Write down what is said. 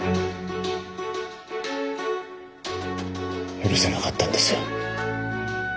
許せなかったんですよ